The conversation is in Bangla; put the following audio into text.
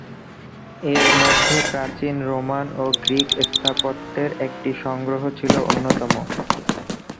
এর মধ্যে প্রাচীন রোমান ও গ্রিক স্থাপত্যের একটি সংগ্রহ ছিল অন্যতম।